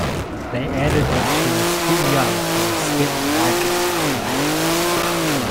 They added that she was too young for a step like it.